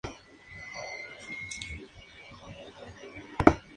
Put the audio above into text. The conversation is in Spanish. La solución adoptada fue la de introducir otras razas para "mejorar" la rubia gallega.